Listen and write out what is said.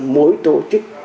mỗi tổ chức